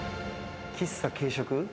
喫茶・軽食